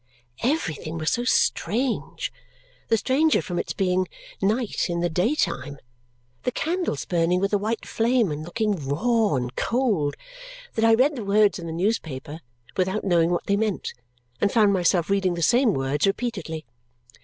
Everything was so strange the stranger from its being night in the day time, the candles burning with a white flame, and looking raw and cold that I read the words in the newspaper without knowing what they meant and found myself reading the same words repeatedly.